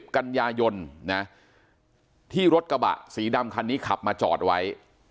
กันยายนนะที่รถกระบะสีดำคันนี้ขับมาจอดไว้